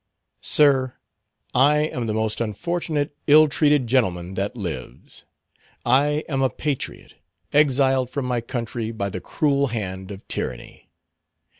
"Sir: I am the most unfortunate ill treated gentleman that lives. I am a patriot, exiled from my country by the cruel hand of tyranny.